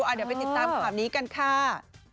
เดี๋ยวไปติดตามข่าวนี้กันค่ะ